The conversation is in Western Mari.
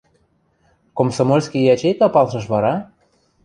– Комсомольский ячейка палшыш вара?